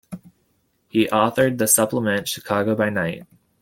He authored the supplement "Chicago by Night".